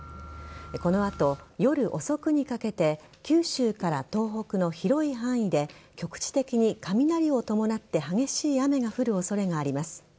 この後、夜遅くにかけて九州から東北の広い範囲で局地的に雷を伴って激しい雨が降る恐れがあります。